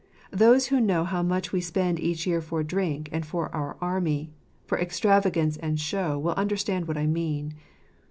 Those who know how much we sp end each year jbr d rink and for our army ; for ex tr a vagance ajid s ho w— will unders land what I mean.